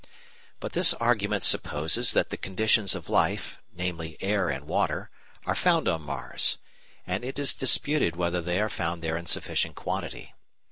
But this argument supposes that the conditions of life, namely air and water, are found on Mars, and it is disputed whether they are found there in sufficient quantity.